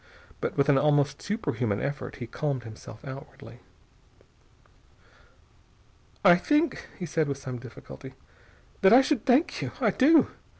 But with an almost superhuman effort he calmed himself outwardly. "I think," he said with some difficulty, "that I should thank you. I do.